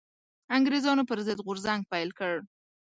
انګرېزانو پر ضد غورځنګ پيل کړ